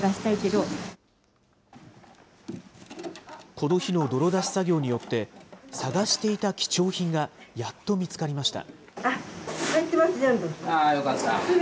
この日の泥だし作業によって、探していた貴重品がやっと見つかりました。